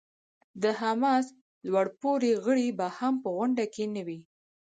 د حماس لوړ پوړي غړي به هم په غونډه کې نه وي.